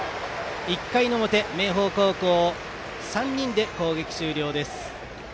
１回の表、明豊高校３人で攻撃終了です。